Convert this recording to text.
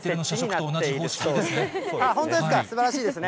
すばらしいですね。